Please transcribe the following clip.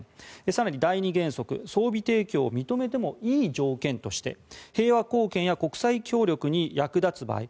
さらに第２原則、装備提供を認めてもいい条件として平和貢献や国際協力に役立つ場合。